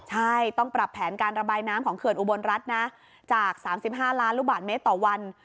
ใช่ต้องปรับแผนการระบายน้ำของเขื่อนอุบลรัฐนะจาก๓๕ล้านลูกบาทเมตรต่อวัน